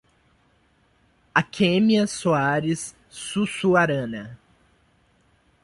Akemia Soares Sussuarana